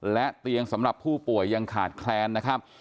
และเตียงสำหรับผู้ป่วยยังขาดแคลนนะครับ